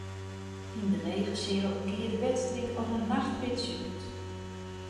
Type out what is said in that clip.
Yn de lege seal gie de wedstriid as in nachtpitsje út.